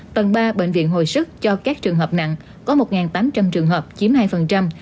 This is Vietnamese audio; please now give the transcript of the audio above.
tầng ba bệnh viện hồi sức cho các trường hợp nặng có một tám trăm linh trường hợp chiếm hai